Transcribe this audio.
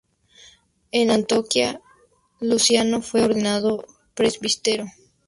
En Antioquía, Luciano fue ordenado presbítero.